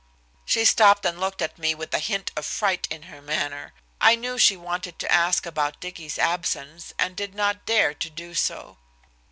'" She stopped and looked at me with a hint of fright in her manner. I knew she wanted to ask about Dicky's absence, and did not dare to do so.